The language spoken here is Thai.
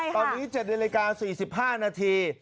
ตอนนี้เจ็ดในระยะราคา๔๕นาที